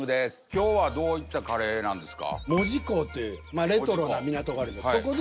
今日はどういったカレーなんですか？